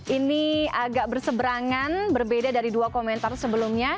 ini agak berseberangan berbeda dari dua komentar sebelumnya